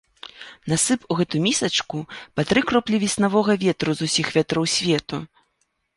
Насып у гэту місачку па тры кроплі веснавога ветру з усіх вятроў свету!